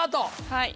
はい。